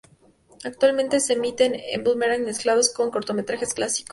Actualmente se emiten en Boomerang mezclados con cortometrajes clásicos.